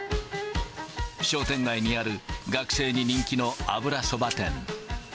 商店街にある学生に人気の油そば店。